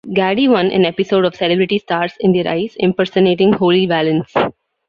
Ghadie won an episode of "Celebrity Stars in Their Eyes" impersonating Holly Valance.